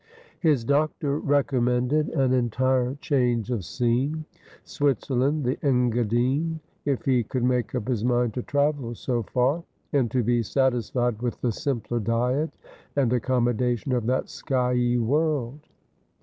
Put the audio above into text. His doctor recommended an entire change of scene — Switzerland, the Engadine, if he could make up his mind to travel so far, and to be satisfied with the simpler diet and accommodation of that skyey world.